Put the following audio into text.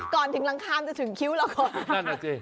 ก่อนถึงลังคามจะถึงคิ้วเราก่อน